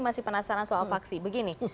masih penasaran soal vaksi begini